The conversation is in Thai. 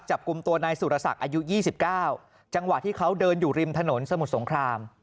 จับกลุ่มตัวนายสุรศักดิ์อายุ๒๙จังหวะที่เขาเดินอยู่ริมถนนสมุทรสงคราม